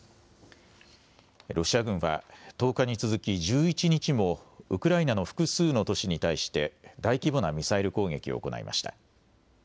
ロシア軍は、１０日に続き、１１日もウクライナの複数の都市に対して大規模なミサイル攻撃を行いました。